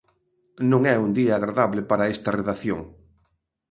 Non é un día agradable para esta redacción.